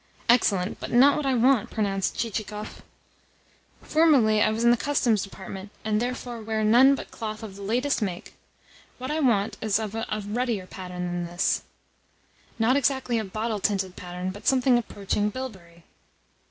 "Excellent, but not what I want," pronounced Chichikov. "Formerly I was in the Custom's Department, and therefore wear none but cloth of the latest make. What I want is of a ruddier pattern than this not exactly a bottle tinted pattern, but something approaching bilberry."